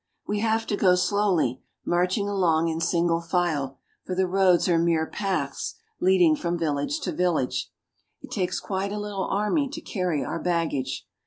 We have to go slowly, marching along in single file, for the roads are mere paths leading from village to village. It takes quite a little army to carry our baggage.